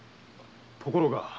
ところが。